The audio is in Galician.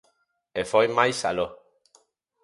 E foi máis aló.